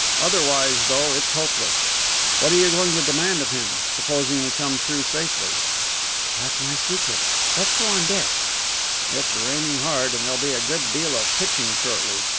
Otherwise, though, it's hopeless. What are you going to demand of him supposing we come through safely?" "That's my secret. Let's go on deck." "It's raining hard, and there'll be a good deal of pitching shortly.